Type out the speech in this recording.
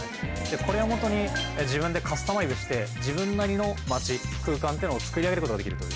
これをもとに自分でカスタマイズして自分なりの街空間っていうのを作り上げることができる。